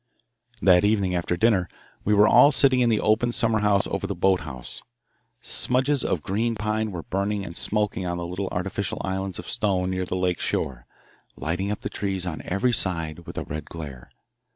That evening after dinner we were all sitting in the open summer house over the boat house. Smudges of green pine were burning and smoking on little artificial islands of stone near the lake shore, lighting up the trees on every side with a red glare.